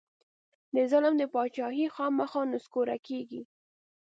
د ظلم بادچاهي خامخا نسکوره کېږي.